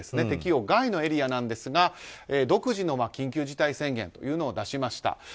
適用外のエリアなんですが独自の緊急事態宣言というのを出しました。